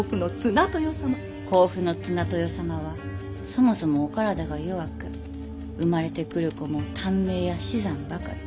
甲府の綱豊様はそもそもお体が弱く産まれてくる子も短命や死産ばかり。